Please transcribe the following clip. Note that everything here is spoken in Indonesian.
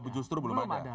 oh justru belum ada